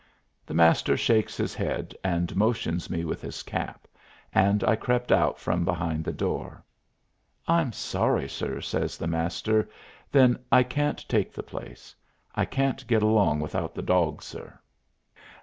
The Master shakes his head, and motions me with his cap, and I crept out from behind the door. "I'm sorry, sir," says the Master. "Then I can't take the place. I can't get along without the dawg, sir."